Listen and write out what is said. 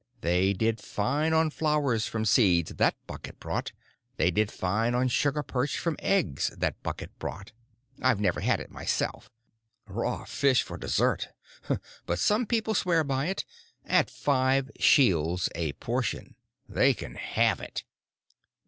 They did fine on flowers from seeds that bucket brought, they did fine on sugar perch from eggs that bucket brought. I've never had it myself. Raw fish for dessert! But some people swear by it—at five shields a portion. They can have it."